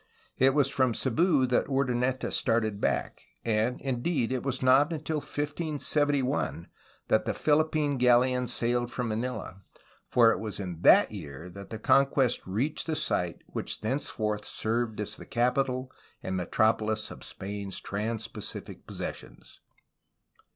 It was from Cebu that Urdaneta started back, and, indeed, it was not until 1571 that the PhiUppine gal leon sailed from Manila, for it was in that year that the conquest reached the site which thenceforth served as the capital and metropolis of Spain's trans Pacific possessions.